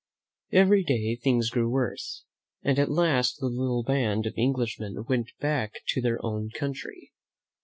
Every day things grew worse, and at last the little band of Englishmen went back to their own country.